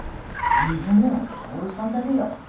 伊豆の徹さんだべよ。